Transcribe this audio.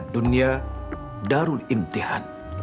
dunia darul imtihan